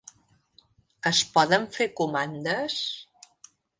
Es poden fer comandes?